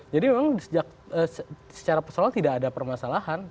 jadi memang secara personal tidak ada permasalahan